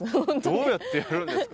どうやってやるんですか？